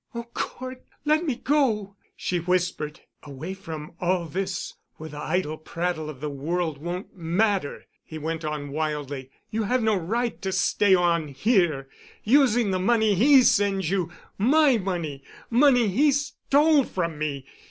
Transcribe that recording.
"Oh, Cort! Let me go!" she whispered. "Away from all this where the idle prattle of the world won't matter," he went on wildly. "You have no right to stay on here, using the money he sends you—my money—money he stole from me.